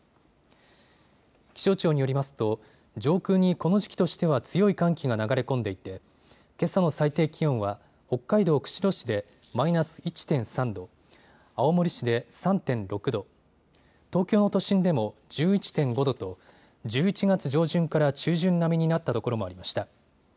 気象庁によりますと上空にこの時期としては強い寒気が流れ込んでいてけさの最低気温は北海道釧路市でマイナス１．３度、青森市で３．６度、東京の都心でも１１．５度と１１月上旬から中旬並みになった所もありました。